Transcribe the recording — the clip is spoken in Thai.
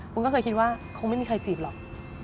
คุณก็เคยคิดว่าคงไม่มีใครจีบหรอก